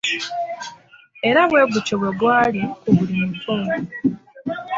Era bwe gutyo bwe gwali ku buli muto.